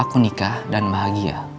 aku nikah dan bahagia